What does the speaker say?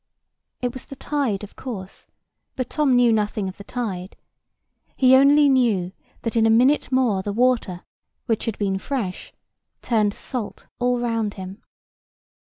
It was the tide, of course: but Tom knew nothing of the tide. He only knew that in a minute more the water, which had been fresh, turned salt all round him.